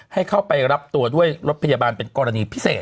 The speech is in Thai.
ให้เข้าไปรับตัวด้วยรถพยาบาลเป็นกรณีพิเศษ